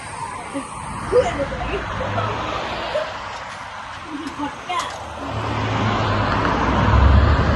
এই দলটি পূর্বে ইকসান এবং গিম্পোতে খেলেছিল।